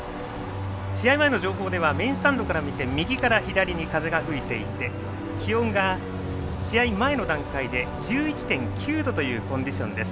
試合前の情報ではメインスタンドから見て右から左に風が吹いていて気温が試合前の段階で１１．９度というコンディション。